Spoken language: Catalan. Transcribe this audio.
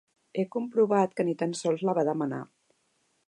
He comprovat que ni tan sols la va demanar.